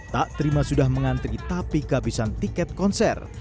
tak terima sudah mengantri tapi kehabisan tiket konser